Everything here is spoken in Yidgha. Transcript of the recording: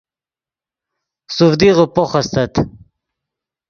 سوڤدیغے پوخ استت